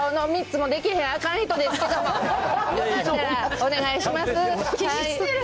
お願いいたします。